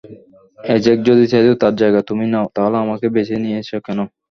অ্যাজাক যদি চাইতো তার জায়গা তুমি নাও, তাহলে আমাকে বেছে নিয়েছে কেন?